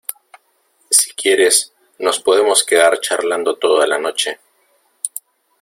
si quieres, nos podemos quedar charlando toda la noche.